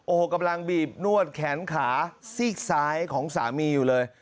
โอ้โหกำลังบีบนวดแขนขาซีกซ้ายของสามีอยู่เลย